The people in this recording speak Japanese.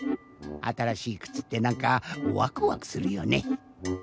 あたらしいくつってなんかワクワクするよね。